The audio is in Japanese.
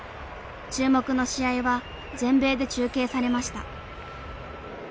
注目の試合は全米で中継されました。